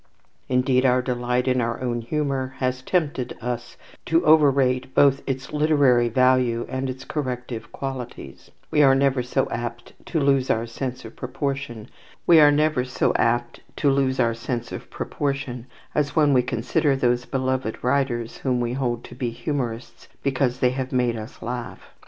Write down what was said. Indeed, our delight in our own humour has tempted us to overrate both its literary value and its corrective qualities. We are never so apt to lose our sense of proportion as when we consider those beloved writers whom we hold to be humourists because they have made us laugh.